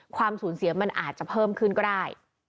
ความสูญเสียมันอาจจะเพิ่มขึ้นก็ได้